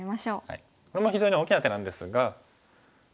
これも非常に大きな手なんですが。